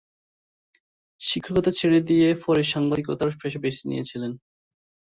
শিক্ষকতা ছেড়ে দিয়ে পরে সাংবাদিকতার পেশা বেছে নিয়েছিলেন।